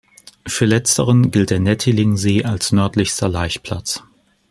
Für letzteren gilt der Nettilling-See als nördlichster Laichplatz.